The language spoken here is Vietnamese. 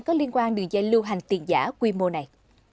có liên quan đường dây lưu hành tiền giả quy mô này